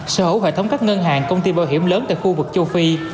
sở hữu hệ thống các ngân hàng công ty bảo hiểm lớn tại khu vực châu phi